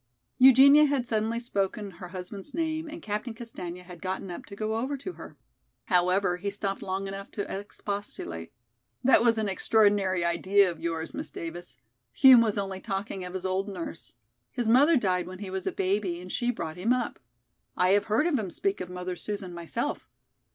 '" Eugenia had suddenly spoken her husband's name and Captain Castaigne had gotten up to go over to her. However, he stopped long enough to expostulate. "That was an extraordinary idea of yours, Miss Davis. Hume was only talking of his old nurse. His mother died when he was a baby and she brought him up. I have heard him speak of 'Mother Susan' myself.